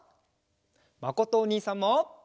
まことおにいさんも。